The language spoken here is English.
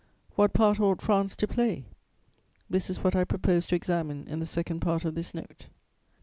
What part ought France to play? This is what I propose to examine in the second part of this Note."